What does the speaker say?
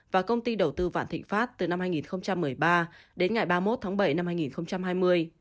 và công ty đầu tư vạn thịnh pháp từ năm hai nghìn một mươi ba đến ngày ba mươi một tháng bảy năm hai nghìn hai mươi